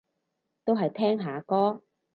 都係聽下歌